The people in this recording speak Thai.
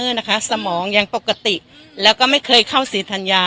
ไม่ค่ะเจ๊เกียวไม่ได้เป็นนะคะสมองยังปกติแล้วก็ไม่เคยเข้าสีธรรยา